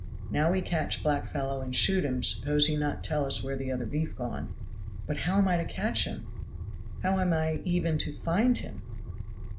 Now we catch black fellow and shoot him suppose he not tell us where the other beef gone." "But how am I to catch him? How am I even to find him?"